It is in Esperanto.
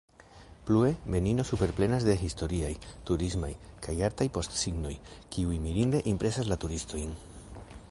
Plue, Benino superplenas de historiaj, turismaj, kaj artaj postsignoj, kiuj mirinde impresas la turistojn.